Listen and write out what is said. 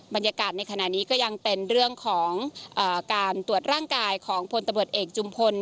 บรรยากาศในขณะนี้ก็ยังเป็นเรื่องของการตรวจร่างกายของพลตำรวจเอกจุมพล